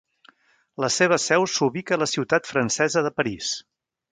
La seva seu s'ubica a la ciutat francesa de París.